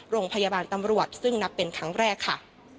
โรงพยาบาลตำรวจซึ่งนับเป็นครั้งแรกค่ะ